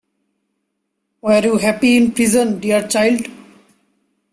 Were you happy in prison, dear child?